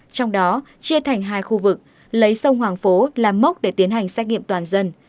trong đó chia thành hai khu vực lấy sông hoàng phố làm mốc để tiến hành xét nghiệm toàn dân